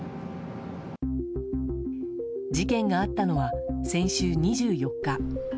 事件があったのは先週２４日。